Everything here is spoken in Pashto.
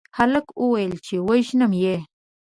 هلک وويل چې وژنم يې